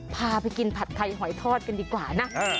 พาไปกินผัดไทยหอยทอดกันดีกว่านะ